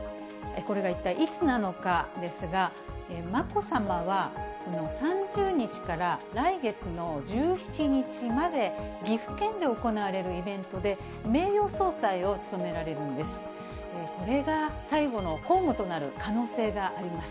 これが一体いつなのかですが、まこさまはこの３０日から来月の１７日まで、岐阜県で行われるイベントで、名誉総裁を務められるんです。